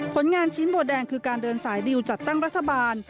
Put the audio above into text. ผลงานชิ้นบัวแดงคือการเดินสายดิวจัดตั้งรัฐบาล